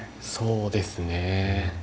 そうですね。